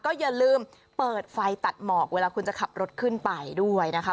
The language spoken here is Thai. อย่าลืมเปิดไฟตัดหมอกเวลาคุณจะขับรถขึ้นไปด้วยนะคะ